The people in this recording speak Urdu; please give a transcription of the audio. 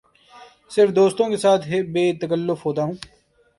صرف دوستوں کے ساتھ بے تکلف ہوتا ہوں